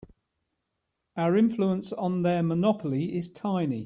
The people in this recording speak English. Our influence on their monopoly is tiny.